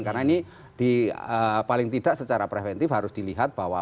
karena ini paling tidak secara preventif harus dilihat bahwa